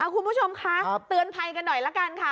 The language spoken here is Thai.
คุณผู้ชมคะเตือนภัยกันหน่อยละกันค่ะ